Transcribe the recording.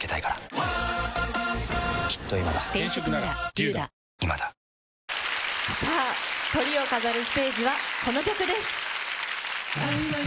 トーンアップ出たさあ、トリを飾るステージは、この曲です。